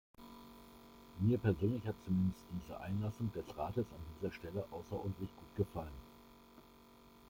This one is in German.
Mir persönlich hat zumindest diese Einlassung des Rates an dieser Stelle außerordentlich gut gefallen.